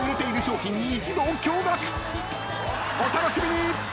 ［お楽しみに！］